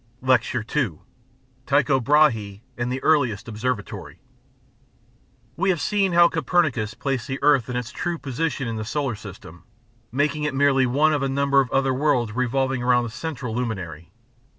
LECTURE II TYCHO BRAHÉ AND THE EARLIEST OBSERVATORY We have seen how Copernicus placed the earth in its true position in the solar system, making it merely one of a number of other worlds revolving about a central luminary.